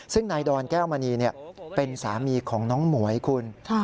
ซึ่งนายดอนแก้วมณีเป็นสามีของน้องหมวยคุณ